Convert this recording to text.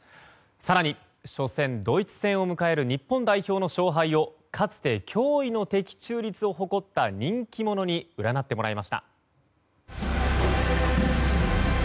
更に初戦、ドイツ戦を迎える日本代表の勝敗をかつて驚異の的中率を誇った人気者に占ってもらいました。